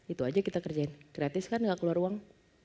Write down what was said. itu aja kita kerjain gratis kan gak keluar uang